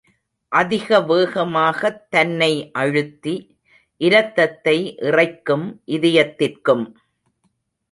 அதிக வேகமாகத் தன்னை அழுத்தி, இரத்தத்தை இறைக்கும் இதயத்திற்கும்.